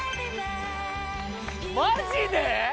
マジで？